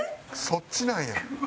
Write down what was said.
そっちなんや。